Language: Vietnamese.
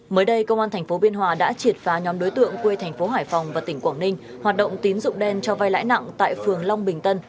mới đây công an tp biên hòa đã triệt phá nhóm đối tượng quê thành phố hải phòng và tỉnh quảng ninh hoạt động tín dụng đen cho vai lãi nặng tại phường long bình tân